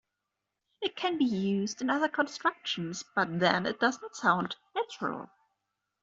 It can be used in other constructions, but then it does not sound 'natural'.